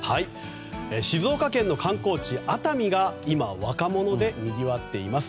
静岡県の観光地・熱海が今、若者でにぎわっています。